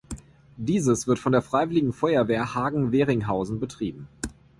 Dieses wird von der Freiwilligen Feuerwehr Hagen-Wehringhausen betrieben.